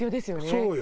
そうよ。